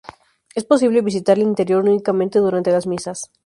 Es posible visitar el interior únicamente durante las misas.